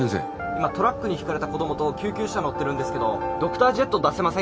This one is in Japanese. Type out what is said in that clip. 今トラックにひかれた子供と救急車乗ってるんですけどドクタージェット出せませんか？